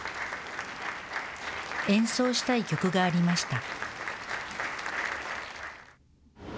演奏したい曲がありました。